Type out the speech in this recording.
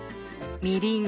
みりん